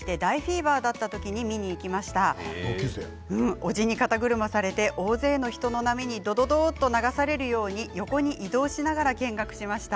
おじに肩車されて大勢の人並みに、流されるように横に移動しながら見学しました。